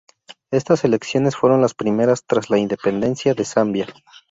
Estas elecciones fueron las primeras tras la independencia de Zambia.